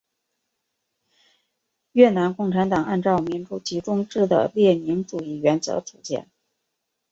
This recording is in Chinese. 越南共产党按照民主集中制的列宁主义原则组建。